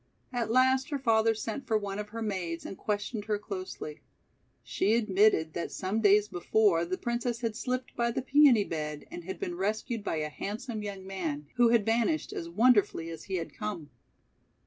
At last her father sent for one of her maids, and questioned her closely. She admitted that some days before the Princess had slipped by the Peony bed, and had been rescued by a handsome young man, who had vanished as wonderfully as he had come.